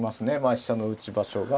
飛車の打ち場所が。